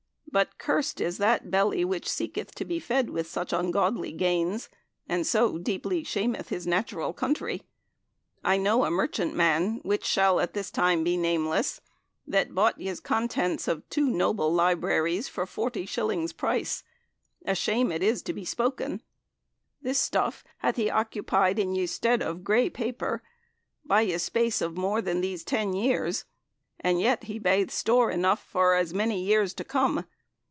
But cursed is that bellye whyche seketh to be fedde with suche ungodlye gaynes, and so depelye shameth hys natural conterye. I knowe a merchant manne, whych shall at thys tyme be namelesse, that boughte yeS contentes of two noble lybraryes for forty shyllynges pryce: a shame it is to be spoken. Thys stuffe hathe heoccupyed in yeS stede of greye paper, by yeS, space of more than these ten yeares, and yet he bathe store ynoughe for as manye years to come.